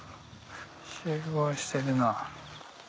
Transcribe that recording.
集合してるな。